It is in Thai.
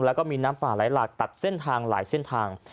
แล้วก็มีน้ำป่าไหลหลากตัดเส้นทางหลายเส้นทาง